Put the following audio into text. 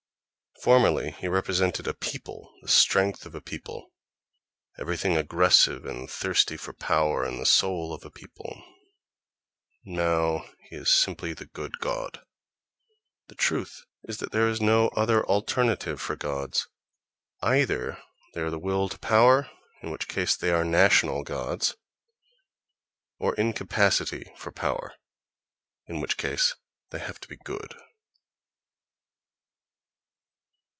Formerly he represented a people, the strength of a people, everything aggressive and thirsty for power in the soul of a people; now he is simply the good god.... The truth is that there is no other alternative for gods: either they are the will to power—in which case they are national gods—or incapacity for power—in which case they have to be good....